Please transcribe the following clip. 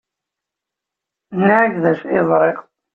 Nniɣ-ak d acu ay ẓriɣ.